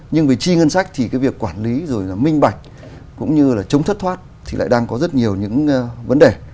nhưng về chi ngân sách thì cái việc quản lý rồi là minh bạch cũng như là chống thất thoát thì lại đang có rất nhiều những vấn đề